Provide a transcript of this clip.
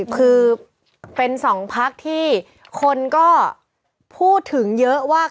คือเป็นสองพักที่คนก็พูดถึงเยอะว่า